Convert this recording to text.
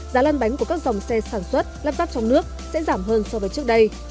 giá lăn bánh của các dòng xe sản xuất lắp ráp trong nước sẽ giảm hơn so với trước đây